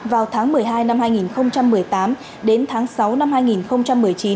vào tháng một mươi hai năm hai nghìn một mươi tám đến tháng sáu năm hai nghìn một mươi chín